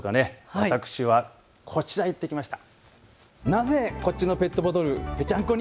私はこちらへ行ってきました。